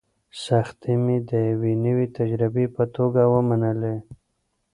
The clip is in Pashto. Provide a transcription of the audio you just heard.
سختۍ مې د یوې نوې تجربې په توګه ومنلې.